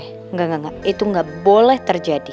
enggak enggak enggak itu gak boleh terjadi